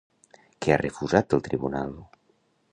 Què ha refusat el Tribunal?